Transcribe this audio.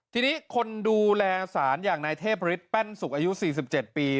ทีนี้คนดูแลสารอย่างนายเทพฤทธแป้นสุกอายุ๔๗ปี